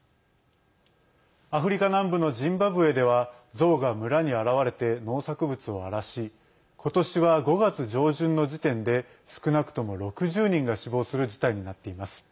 アフリカ南部のジンバブエではゾウが村に現れて農作物を荒らし今年は５月上旬の時点で少なくとも６０人が死亡する事態になっています。